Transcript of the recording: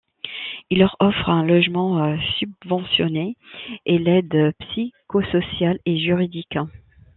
Ils leur offrent un logement subventionné et l’aide psychosociale et juridique.